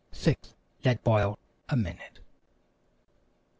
6. Let boil a minute.